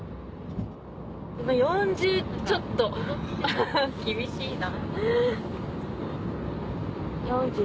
今４０ちょっとアハハ厳しいな。